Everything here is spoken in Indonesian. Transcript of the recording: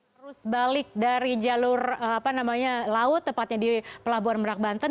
arus balik dari jalur laut tepatnya di pelabuhan merak banten